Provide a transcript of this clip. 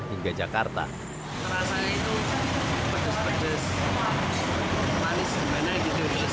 terasa itu pedas pedas manis dan enak